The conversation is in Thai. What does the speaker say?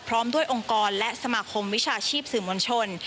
พร้อมด้วยองค์กรและสมาคมวิชาชีพสื่อมวลชน